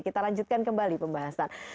kita lanjutkan kembali pembahasan